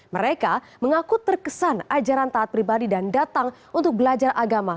mereka mengaku terkesan ajaran taat pribadi dan datang untuk belajar agama